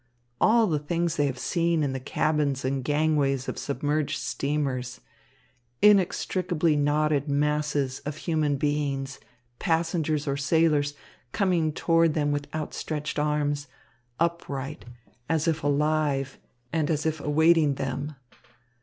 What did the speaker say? All the things they have seen in the cabins and gangways of submerged steamers; inextricably knotted masses of human beings, passengers or sailors coming toward them with outstretched arms, upright, as if alive and as if awaiting them.